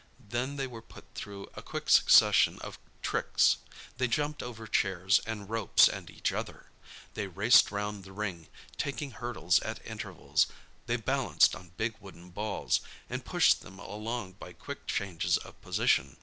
Then they were put through a quick succession of tricks. They jumped over chairs and ropes and each other; they raced round the ring, taking hurdles at intervals; they balanced on big wooden balls, and pushed them along by quick changes of position.